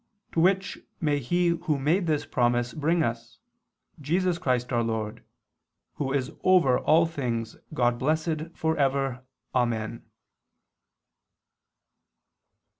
To which may He Who made this promise bring us, Jesus Christ our Lord, "Who is over all things God blessed for ever. Amen."